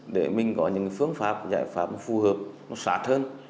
để mình có những phương pháp giải pháp phù hợp nó sát hơn